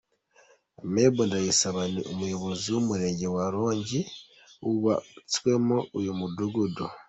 Aimable Ndayisaba ni umuyobozi w'umurenge wa Rongi wubatsemo uyu mudugudu.